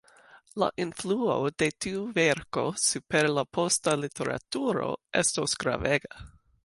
La influo de tiu verko super la posta literaturo estos gravega.